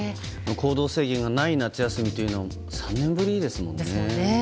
行動制限がない夏休みというのは３年ぶりですもんね。